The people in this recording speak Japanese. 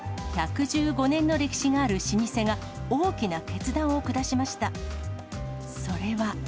１１５年の歴史がある老舗が、大きな決断を下しました。